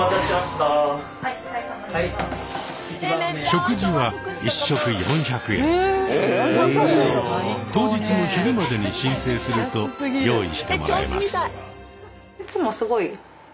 食事は１食当日の昼までに申請すると用意してもらえます。